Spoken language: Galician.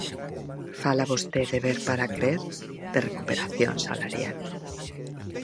Fala vostede, ver para crer, de recuperación salarial.